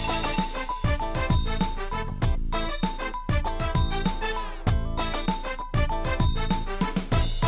มาถึงรอบแจ็คพอตของเราแล้วนะครับ